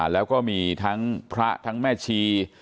แล้วก็มีทั้งพระทั้งแม่ชี